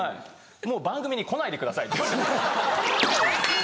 「もう番組に来ないでください」って言われたんですよ。